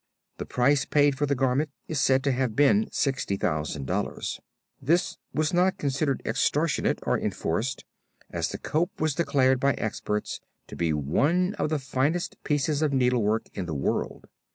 The price paid for the garment is said to have been $60,000. This was not considered extortionate or enforced, as the Cope was declared by experts to be one of the finest pieces of needlework in the world.